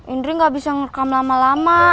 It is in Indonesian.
indri gak bisa ngerekam lama lama